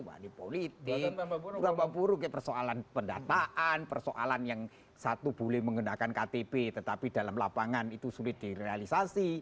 manipulitik persoalan pendataan persoalan yang satu boleh mengenakan ktp tetapi dalam lapangan itu sulit direalisasi